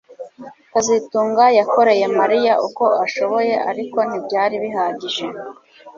kazitunga yakoreye Mariya uko ashoboye ariko ntibyari bihagije